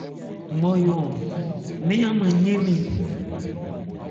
Nmɔyo-ɔn, mɛ́n an mán yɛ́n mɛn.